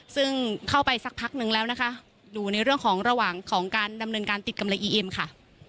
ซึ่งเข้าไปสักพักนึงแล้วนะคะดูในเรื่องของระหว่างของการดำเนินการติดกำไรอีเอ็มค่ะ